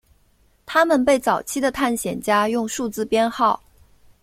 他们被早期的探险家用数字编号。